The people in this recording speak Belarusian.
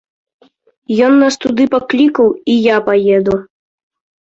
Ён нас туды паклікаў, і я паеду.